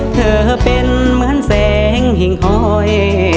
เธอเป็นเหมือนแสงหิ่งคอย